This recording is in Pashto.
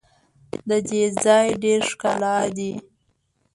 د دې ځای ډېر ښکلا دي.